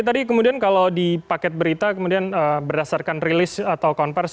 tadi kemudian kalau di paket berita kemudian berdasarkan rilis atau konversi